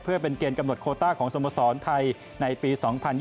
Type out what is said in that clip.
เพื่อเป็นเกณฑ์กำหนดโคต้าของสโมสรไทยในปี๒๐๒๐